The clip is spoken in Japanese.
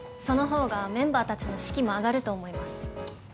そのほうがメンバーたちの士気も上がると思います。